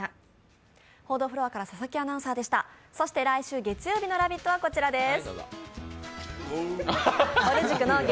来週月曜日の「ラヴィット！」はこちらです。